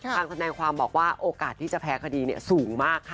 คางแสดงความบอกว่าโอกาสที่จะแพ้คดีเนี่ยสูงมากค่ะ